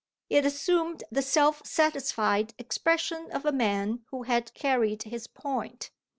It assumed the self satisfied expression of a man who had carried his point.